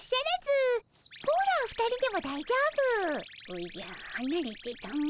おじゃはなれてたも。